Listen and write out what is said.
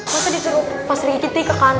masa disuruh pas seri giti ke kanan